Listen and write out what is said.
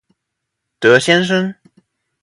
德先生